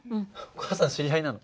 お母さん知り合いなの？